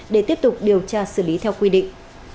để tiếp tục điều tra xử lý theo quy định